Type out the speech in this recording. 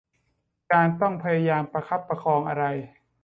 การต้องพยายามประคับประคองอะไร